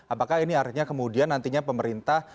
apakah ini artinya kemudian nantinya pemerintah